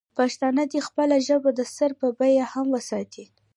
پښتانه دې خپله ژبه د سر په بیه هم وساتي.